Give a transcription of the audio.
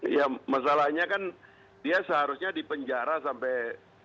ya masalahnya kan dia seharusnya dipenjara sampai dua ribu dua puluh lima